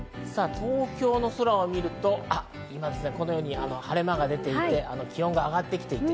東京の空を見ると晴れ間が出ていて気温が上がってきています。